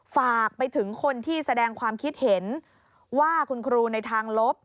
ฝากไปถึงคนที่แสดงความคิดเห็นว่าคุณครูในทางลบ